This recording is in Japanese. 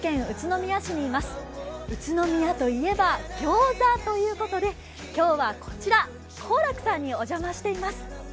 宇都宮といえばギョーザということで今日はこちら、幸楽さんにお邪魔しています。